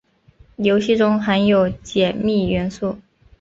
游戏中含有解密元素。